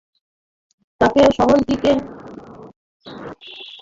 তাকে সাহস দিতে গিয়ে বলেছিলাম, ছোটবেলায় আমার কোনো বন্ধু ছিল না।